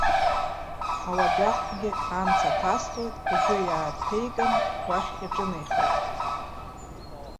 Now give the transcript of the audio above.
Ауаџьаҟгьы амца ҭасҵоит, игәы иааҭеикын, уахь иҿынеихеит.